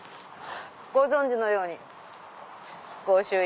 ご存じのように御朱印。